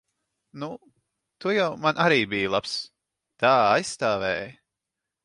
Nu, tu jau man arī biji labs. Tā aizstāvēji.